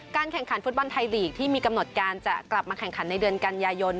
แข่งขันฟุตบอลไทยลีกที่มีกำหนดการจะกลับมาแข่งขันในเดือนกันยายน